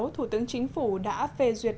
thủ tướng chính phủ đã phê duyệt